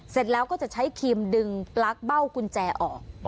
เสร็จแล้วก็จะใช้ครีมดึงปลั๊กเบ้ากุญแจออก